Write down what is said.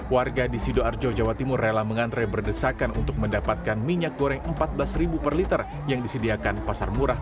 warga di sidoarjo jawa timur rela mengantre berdesakan untuk mendapatkan minyak goreng rp empat belas per liter yang disediakan pasar murah